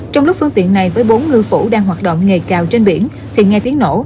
trong lúc phương tiện này với bốn ngư phủ đang hoạt động nghề cào trên biển thì nghe tiếng nổ